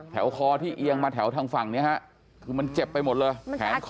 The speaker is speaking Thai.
คอที่เอียงมาแถวทางฝั่งนี้ฮะคือมันเจ็บไปหมดเลยแขนคอ